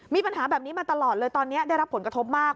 มีปัญหาแบบนี้มาตลอดเลยตอนนี้ได้รับผลกระทบมาก